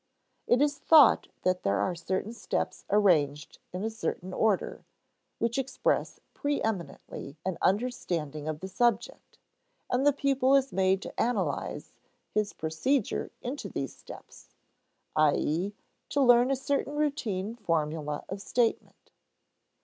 It is thought that there are certain steps arranged in a certain order, which express preëminently an understanding of the subject, and the pupil is made to "analyze" his procedure into these steps, i.e. to learn a certain routine formula of statement.